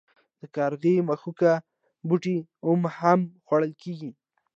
د کارغي مښوکه بوټی اومه هم خوړل کیږي.